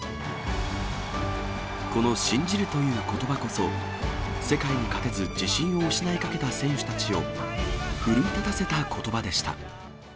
この信じるということばこそ、世界に勝てず、自信を失いかけた選手たちを奮い立たせたことばでした。